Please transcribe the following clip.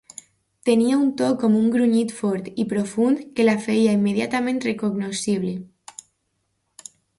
Tenia un to com un grunyit fort i profund que la feia immediatament recognoscible.